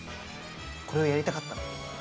これをやりたかったの。